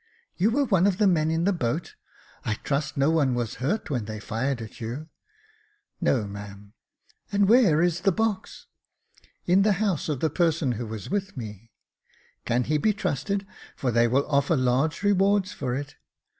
You were one of the men in the boat. I trust no one was hurt when they fired at you ?"" No, ma'am." " And where is the box ?"" In the house of the person who was with me." *' Can he be trusted ? For they will offer large rewards for it."